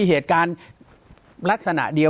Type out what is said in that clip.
ปากกับภาคภูมิ